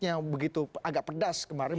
yang begitu agak pedas kemarin